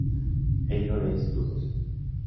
ello es dudoso